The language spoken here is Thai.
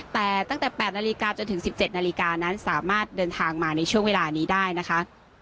แต่ตั้งแต่๘นาฬิกาจนถึง๑๗นาฬิกานั้นสามารถเดินทางมาในช่วงเวลานี้ได้นะคะ